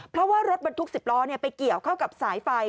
เพราะว่ารถบรรทุก๑๐ล้อไปเกี่ยวเข้ากับสายไฟ